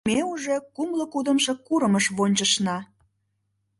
— Ме уже кумло кудымшо курымыш вончышна».